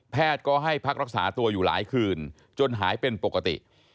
ก็ให้พักรักษาตัวอยู่หลายคืนจนหายเป็นปกติ